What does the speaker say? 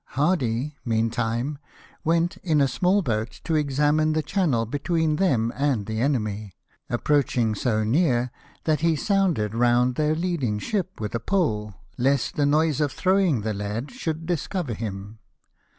Hardy, meantime, went in a small boat to examine the channel between them and the enemy, approaching so near, that he sounded round their leading ship with a pole, lest the noise of throwing the lead should discover him.